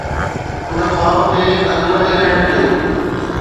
ان خواب کي ادھورا ئي رهڻ ڏيو.